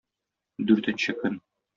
Дүртенче көн.